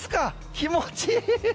気持ちいい。